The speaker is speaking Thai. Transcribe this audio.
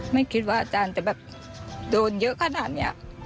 ไม่คิดว่าอาจารย์จะแบบโดนเยอะขนาดนี้